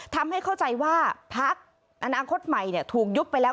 ทำให้เข้าใจว่าพักอนาคตใหม่ถูกยุบไปแล้ว